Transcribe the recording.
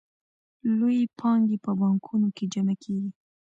لویې پانګې په بانکونو کې جمع کېږي